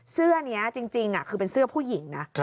เสื้อนี้จริงคือเป็นเสื้อผู้หญิงนะ